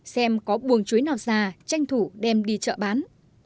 xem có buồng chuối nào già tranh thủ đem đi chợ bán